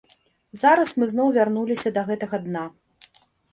Зараз мы зноў вярнуліся да гэтага дна.